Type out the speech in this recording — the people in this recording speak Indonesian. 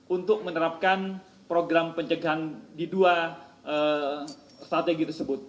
untuk menerapkan program pencegahan di dua strategi tersebut